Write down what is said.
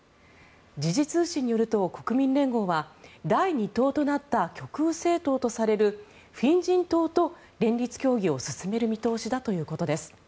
時事通信によると国民連合は第２党となった極右政党とされるフィン人党と連立協議を進める見通しだということです。